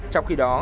trong khi đó